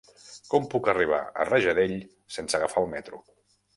Com puc arribar a Rajadell sense agafar el metro?